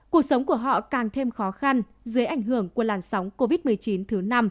cuộc sống của họ càng thêm khó khăn dưới ảnh hưởng của làn sóng covid một mươi chín thứ năm